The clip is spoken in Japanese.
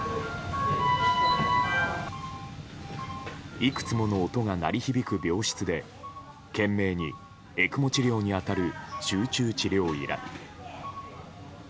いくつもの音が鳴り響く病室で懸命にＥＣＭＯ治療に当たる集中治療医ら。